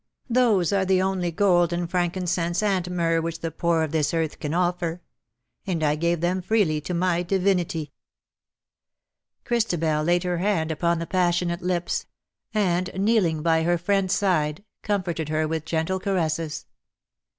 Those are the only gold and frankincense and myrrh which the poor of this earth can offer, and I gave them freely to my divinity V^ Christabel laid her hand upon the passionate lips ; and, kneeling by her friend's side, comforted her with gentle caresses.